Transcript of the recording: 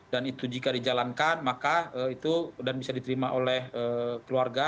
dan itu jika dijalankan maka itu dan bisa diterima oleh keluarga